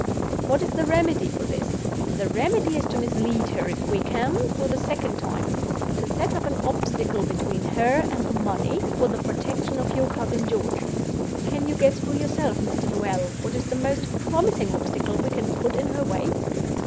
What is the remedy for this? The remedy is to mislead her, if we can, for the second time—to set up an obstacle between her and the money, for the protection of your cousin George. Can you guess for yourself, Mr. Noel, what is the most promising obstacle we can put in her way?"